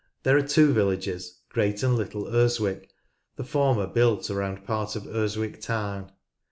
There are two villages, Great and Little Urswick, the former built around part of Urswick Tarn.